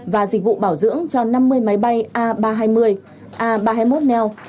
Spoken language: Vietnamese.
và dịch vụ bảo dưỡng cho năm mươi máy bay a ba trăm hai mươi a ba trăm hai mươi một neo